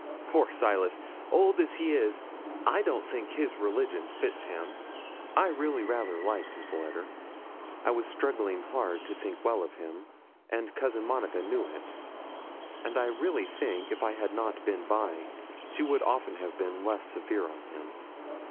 Poor Silas! old as he is, I don't think his religion fits him.' I really rather liked his letter. I was struggling hard to think well of him, and Cousin Monica knew it; and I really think if I had not been by, she would often have been less severe on him.